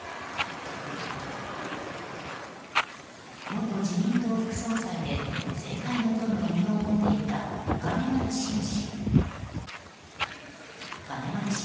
元自民党副総裁で政界のドンの異名を持っていた金丸信氏。